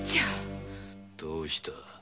どうした？